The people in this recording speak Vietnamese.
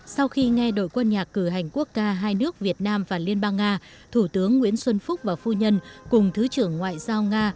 sau khi nghe đội quân nhạc cử hành quốc ca hai nước việt nam và liên bang nga thủ tướng nguyễn xuân phúc và phu nhân cùng thứ trưởng ngoại giao nga